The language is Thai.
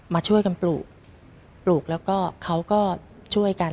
มาช่วยกันปลูกปลูกแล้วก็เขาก็ช่วยกัน